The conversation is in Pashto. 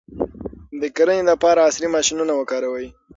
د کرنې لپاره عصري ماشینونه وکاروئ.